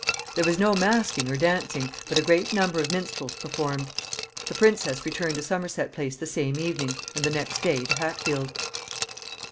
There was no masking or dancing, but a great number of minstrels performed. The princess returned to Somerset Place the same evening, and the next day to Hatfield.